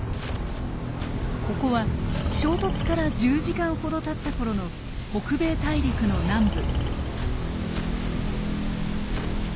ここは衝突から１０時間ほどたったころの北米大陸の南部。